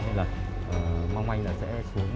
nên là mong anh là sẽ xuống